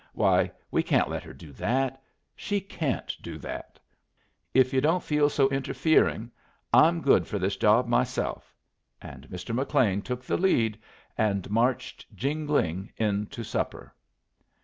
Why, we can't let her do that; she can't do that. If you don't feel so interfering, I'm good for this job myself." And Mr. McLean took the lead and marched jingling in to supper.